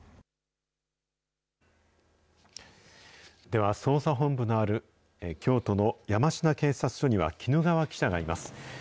では、捜査本部のある京都の山科警察署には絹川記者がいます。